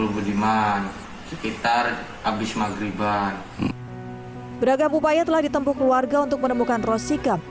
sekitar habis maghriban beragam upaya telah ditempuh keluarga untuk menemukan rosi kem